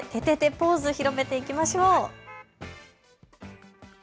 ポーズ広めていきましょう。